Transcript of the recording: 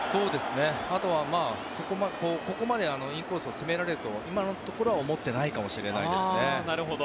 あとはここまでインコースを攻められると今のところは思ってないかもしれないですね。